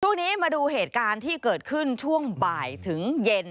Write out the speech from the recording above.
ช่วงนี้มาดูเหตุการณ์ที่เกิดขึ้นช่วงบ่ายถึงเย็น